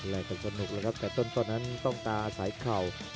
กันสนุกเลยครับแต่ต้นนั้นต้องตาสายเข่า